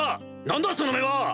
何だその目は！